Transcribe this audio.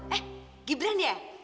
eh gibran ya